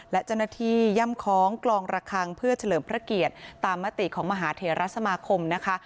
และเจ้าหน้าที่ย่ำคล้องกลองระคังเพื่อเฉลิมพระเกียรติตามมติของมหาเทราสมาคมนะคะ